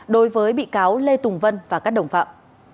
đối với bị cáo lê tùng vân và các đồng phạm